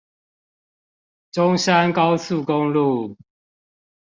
中山高速公路